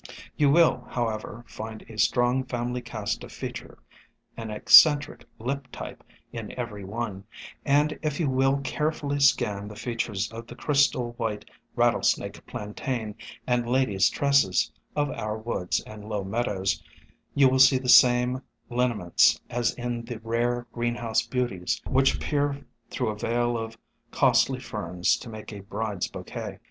You will, however, find a strong family cast of feature, an eccentric lip type in every one, and if you will carefully scan the features of the crystal white Rattlesnake Plantain and Ladies' Tresses of our woods and low meadows, you will see the same lineaments as in the rare greenhouse beauties which peer through a veil of costly ferns to make a bride's bouquet.